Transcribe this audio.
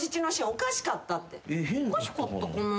おかしかったかな？